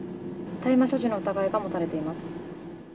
大麻所持の疑いが持たれています。